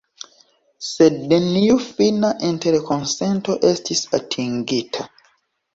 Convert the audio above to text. Sed neniu fina interkonsento estis atingita.